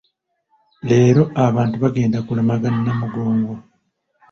Leero abantu abagenda kulamaga Namugongo.